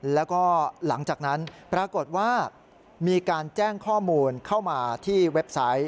แล้วก็หลังจากนั้นปรากฏว่ามีการแจ้งข้อมูลเข้ามาที่เว็บไซต์